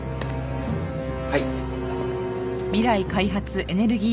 はい。